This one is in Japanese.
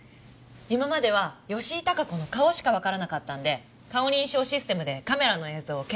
今までは吉井孝子の顔しかわからなかったんで顔認証システムでカメラの映像を検索してたんです。